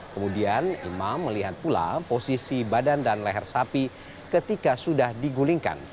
kemudian imam melihat pula posisi badan dan leher sapi ketika sudah digulingkan